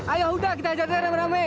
ayo udah kita ajak ajaknya beramai